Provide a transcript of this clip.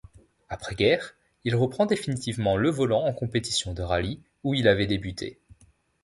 Après-guerre, il reprend définitivement le volant en compétitions de rallyes, où il avait débuté.